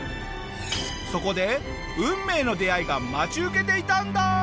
そこで運命の出会いが待ち受けていたんだ！